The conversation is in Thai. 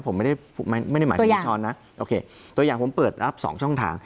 ผมไม่ได้หมายถึงคุณช้อนนะโอเคตัวอย่างผมเปิดรับสองช่องทาง